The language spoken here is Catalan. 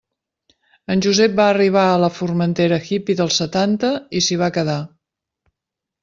En Josep va arribar a la Formentera hippy dels setanta i s'hi va quedar.